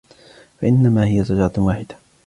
فإنما هي زجرة واحدة